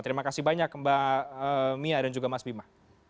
terima kasih banyak mbak mia dan juga mas bima